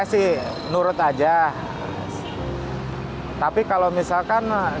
di mana ada tiga rumah yang berada di jawa tenggara